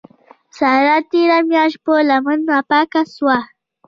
سارا تېره مياشت په لمن ناپاکه سوه.